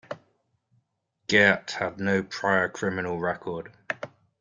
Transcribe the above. Gerdt had no prior criminal record.